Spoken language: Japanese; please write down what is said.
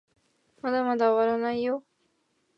まだまだ終わらないよ